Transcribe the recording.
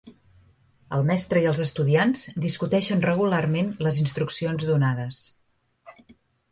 El mestre i els estudiants discuteixen regularment les instruccions donades.